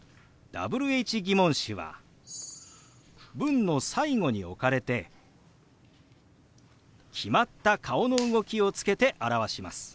疑問詞は文の最後に置かれて決まった顔の動きをつけて表します。